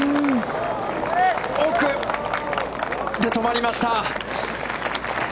奥で止まりました。